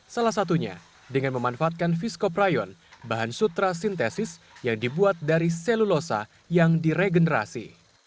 salah satunya dengan memanfaatkan viskoprayon bahan sutra sintesis yang dibuat dari selulosa yang diregenerasi